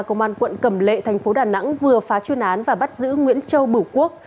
công an quận cầm lệ tp đà nẵng vừa phá chuyên án và bắt giữ nguyễn châu bửu quốc